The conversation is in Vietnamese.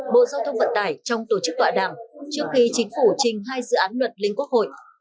bộ giao thông vận tải trong tổ chức tọa đàm trước khi chính phủ trình hai dự án luật lên quốc hội